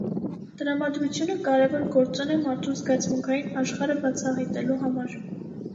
Տրամադրությունը կարևոր գործոն է մարդու զգացմունքային աշխարհը բացահայտելու համար։